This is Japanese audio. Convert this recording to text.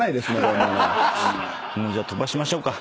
じゃあ飛ばしましょうか。